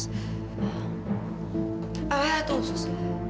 apa apa tuh sus